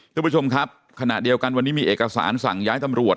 ทุกผู้ชมครับขณะเดียวกันวันนี้มีเอกสารสั่งย้ายตำรวจ